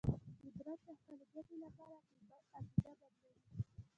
قدرت د خپل ګټې لپاره عقیده بدلوي.